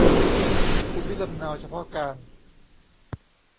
ภูมิลำเนาเฉพาะการ